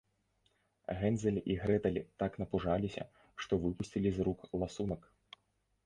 Гензель і Грэтэль так напужаліся, што выпусцілі з рук ласунак